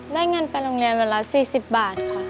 ได้เงินไปโรงเรียนวันละ๔๐บาทค่ะ